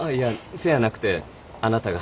そうやなくてあなたが。